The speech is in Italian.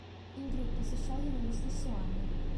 Il gruppo si scioglie nello stesso anno.